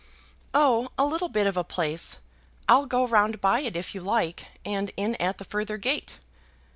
"Oh, a little bit of a place. I'll go round by it if you like, and in at the further gate."